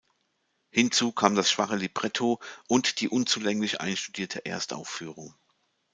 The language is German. Hinzu kam das schwache Libretto und die unzulänglich einstudierte Erstaufführung.